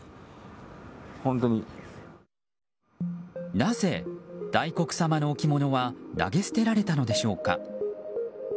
なぜ、大黒様の置物は投げ捨てられたのでしょうか。